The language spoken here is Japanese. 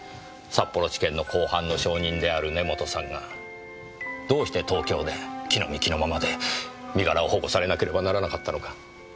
札幌地検の公判の証人である根元さんがどうして東京で着のみ着のままで身柄を保護されなければならなかったのか。